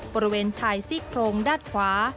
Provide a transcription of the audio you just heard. บริเวณชายซี่โครงด้านขวา